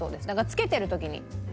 漬けてる時に。